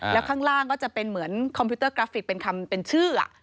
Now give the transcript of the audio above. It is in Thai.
แล้วข้างล่างก็จะเป็นเหมือนคอมพิวเตอร์กราฟิกเป็นคำเป็นชื่อ